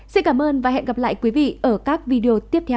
xin cảm ơn và hẹn gặp lại quý vị ở các video tiếp theo